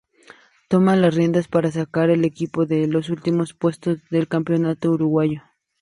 Toma las riendas para sacar al equipo de los últimos puestos del campeonato uruguayo.